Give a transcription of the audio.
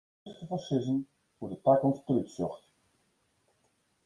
It is dreech te foarsizzen hoe't de takomst der út sjocht.